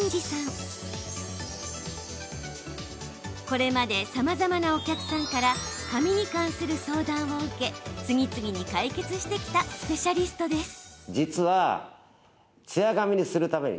これまでさまざまなお客さんから髪に関する相談を受け次々に解決してきたスペシャリストです。